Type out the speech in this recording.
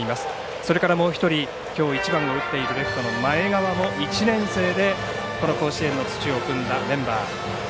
そしてもう１人、きょう１番を打っている１番の前川も１年生で甲子園の土を踏んだメンバー。